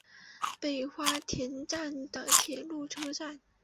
北花田站的铁路车站。